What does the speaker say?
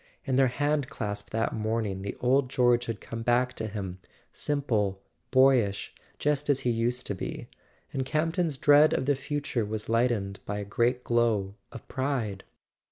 In their hand¬ clasp that morning the old George had come back to him, simple, boyish, just as he used to be; and Camp ton's dread of the future was lightened by a great glow of pride.